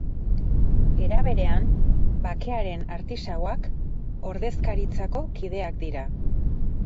Era berean, bakearen artisauak ordezkaritzako kideak dira.